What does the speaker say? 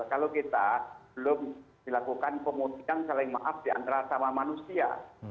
kalau kita belum dilakukan pemutihkan saling maaf di antara sama manusia